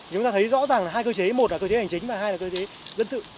chúng ta thấy rõ ràng là hai cơ chế một là cơ chế hành chính và hai là cơ chế dân sự